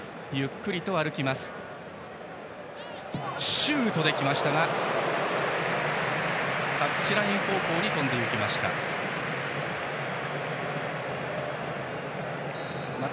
シュートできましたがタッチライン方向に飛んでいきました。